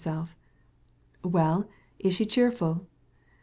"Well, is she cheerful?"